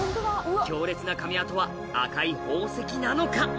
強烈な噛み跡は赤い宝石なのか？